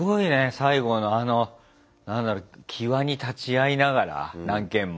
最後のあの何だろう際に立ち会いながら何件も。